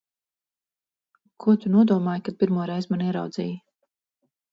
Ko tu nodomāji, kad pirmo reizi mani ieraudzīji?